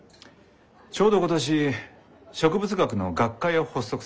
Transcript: ちょうど今年植物学の学会を発足させたんだよ。